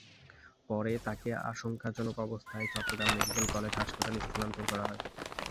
পরে তাঁকে আশঙ্কাজনক অবস্থায় চট্টগ্রাম মেডিকেল কলেজ হাসপাতালে স্থানান্তর করা হয়।